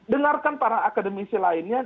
dengarkan para akademisi lainnya